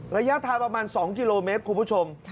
ระยะทางประมาณ๒กิโลเมตรคุณผู้ชม